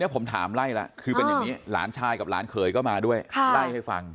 ผมถามไล่แล้วคือเป็นอย่างนี้หลานชายกับหลานเขยก็มาด้วยไล่ให้ฟัง